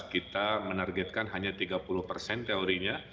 kita menargetkan hanya tiga puluh persen teorinya